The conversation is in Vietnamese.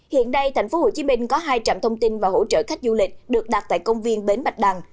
hiện đây tp hcm có hai trạm thông tin và hỗ trợ khách du lịch được đặt tại công viên bến bạch đằng